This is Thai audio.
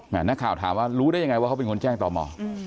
นักข่าวถามว่ารู้ได้ยังไงว่าเขาเป็นคนแจ้งต่อหมอ